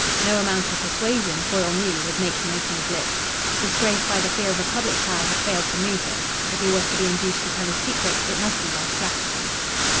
No amount of persuasion, Foyle knew, would make him open his lips. Disgrace by the fear of a public trial had failed to move him. If he was to be induced to tell his secret it must be by strategy.